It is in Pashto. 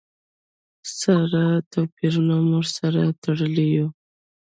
سره توپیرونو موږ سره تړلي یو.